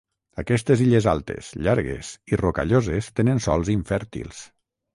Aquestes illes altes, llargues i rocalloses tenen sòls infèrtils.